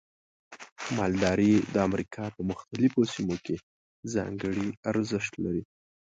مالداري د امریکا په مختلفو سیمو کې ځانګړي ارزښت لري.